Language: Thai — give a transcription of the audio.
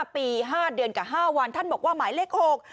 ปี๕เดือนกับ๕วันท่านบอกว่าหมายเลข๖